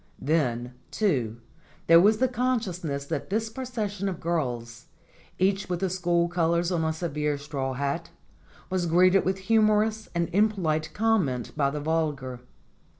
Then, too, there was the consciousness that this procession of girls, each with the school colors on a severe straw hat, was greeted with humorous and impolite comment by the vulgar.